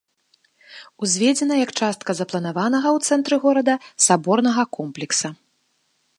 Узведзена як частка запланаванага ў цэнтры горада саборнага комплекса.